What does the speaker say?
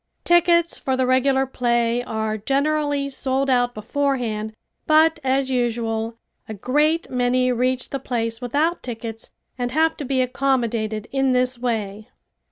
Tickets for the regular play are generally sold out beforehand but as usual a great many reach the place without tickets and have to be accommodated in this way.